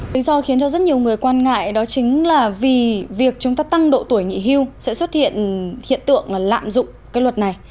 lý do khiến cho rất nhiều người quan ngại đó chính là vì việc chúng ta tăng độ tuổi nghỉ hưu sẽ xuất hiện hiện tượng là lạm dụng cái luật này